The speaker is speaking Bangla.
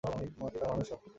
মদ খা, মানুষ হ।